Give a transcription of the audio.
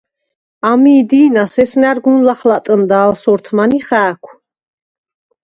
ამი̄ დი̄ნას ესნა̈რ გუნ ლახლატჷნდა ალ სორთმან ი ხა̄̈ქუ̂: